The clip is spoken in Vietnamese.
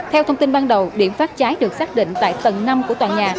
theo thông tin ban đầu điểm phát cháy được xác định tại tầng năm của tòa nhà